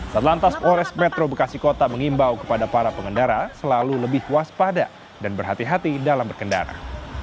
satlantas polres metro bekasi kota mengimbau kepada para pengendara selalu lebih waspada dan berhati hati dalam berkendara